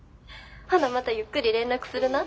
ほなまたゆっくり連絡するな。